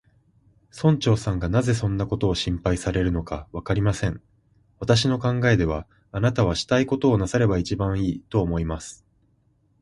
村長さんがなぜそんなことを心配されるのか、わかりません。私の考えでは、あなたはしたいことをなさればいちばんいい、と思います。